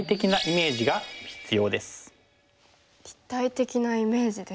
立体的なイメージですか。